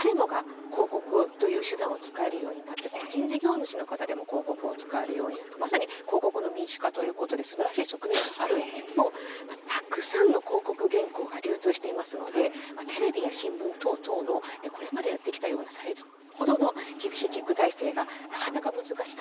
ただ、ネット広告というのは誰もが広告という手段を使えるようになって個人事業主の方でも広告を使えるようになってまさに広告の民主化ということですばらしい側面があるんですがたくさんの広告原稿が流通していますのでテレビや新聞等々のこれまでやってきたようなほどの厳しいチェック体制がなかなか難しい。